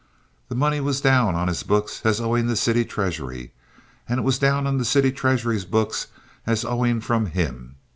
The money was down on his books as owing the city treasury, and it was down on the city treasury's books as owing from him.